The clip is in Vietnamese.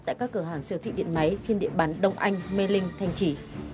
tại các cửa hàng siêu thị điện máy trên địa bàn đông anh mê linh thanh trì